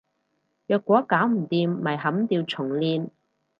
若果搞唔掂，咪砍掉重練